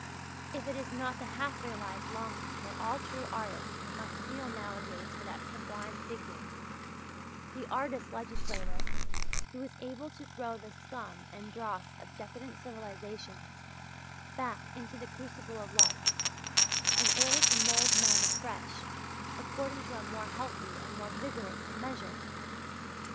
_) if it is not the half realized longing that all true artists must feel nowadays for that sublime figure, the artist legislator who is able to throw the scum and dross of decadent civilizations back into the crucible of life, in order to mould men afresh according to a more healthy and more vigorous measure?